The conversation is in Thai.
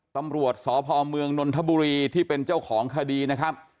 ตำรวจสพเมืองนนทบุรีที่เป็นเจ้าของคดีนะครับ